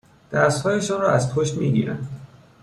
دستهایشان را از پشت میگیرند